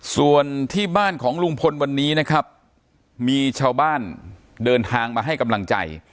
ส่วนที่บ้านของลุงพลวันนี้นะครับมีชาวบ้านเดินทางมาให้กำลังใจ